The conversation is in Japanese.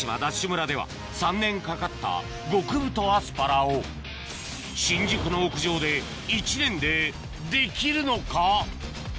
村では３年かかった極太アスパラを新宿の屋上で１年でできるのか？